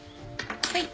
はい。